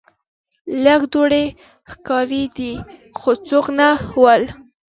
لږ دوړې ښکاریدې خو څوک نه ول.